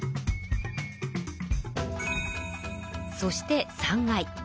そして３階。